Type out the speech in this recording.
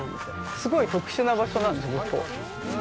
すごい特殊な場所なんですよ、ここ。